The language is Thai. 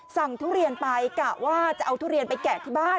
ทุเรียนไปกะว่าจะเอาทุเรียนไปแกะที่บ้าน